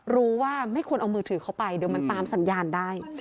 รู้ว่าไม่ควรเอามือถือเข้าไปเดี๋ยวมันตามสัญญาณได้